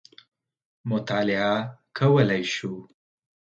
مطالعه کولای شو.